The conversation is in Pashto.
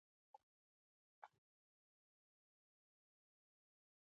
سوله ییز ډیالوګ کولی شو.